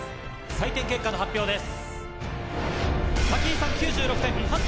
採点結果の発表です。